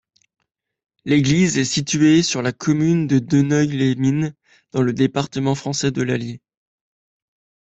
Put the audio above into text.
L'église est située sur la commune de Deneuille-les-Mines, dans le département français de l'Allier.